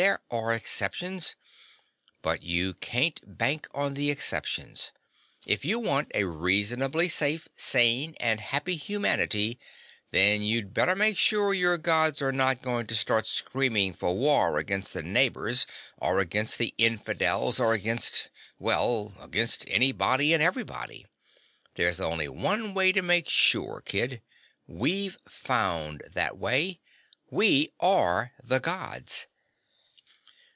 "There are exceptions. But you can't bank on the exceptions. If you want a reasonably safe, sane and happy humanity, then you'd better make sure your gods are not going to start screaming for war against the neighbors or against the infidels or against well, against anybody and everybody. There's only one way to make sure, kid. We've found that way. We are the Gods."